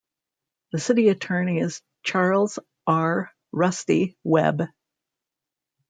The City Attorney is Charles R. "Rusty" Webb.